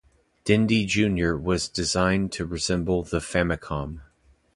Dendy Junior was designed to resemble the Famicom.